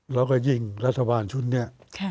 แล้วก็ยิ่งรัฐบาลชุดนี้